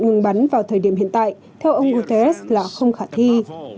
ngừng bắn vào thời điểm hiện tại theo ông guterres là không khả thi